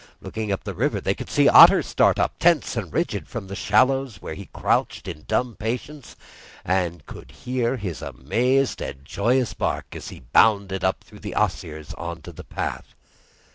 Looking up the river, they could see Otter start up, tense and rigid, from out of the shallows where he crouched in dumb patience, and could hear his amazed and joyous bark as he bounded up through the osiers on to the path.